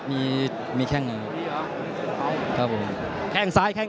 ได้ทั้ง๒แข้ง